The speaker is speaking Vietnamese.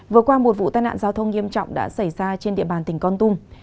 vừa qua một vụ tai nạn giao thông nghiêm trọng đã xảy ra trên địa bàn tỉnh con tum